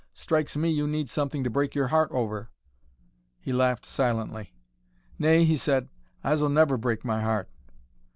Strikes me you need something to break your heart over." He laughed silently. "Nay," he said. "I s'll never break my heart."